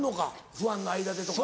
ファンの間でとか。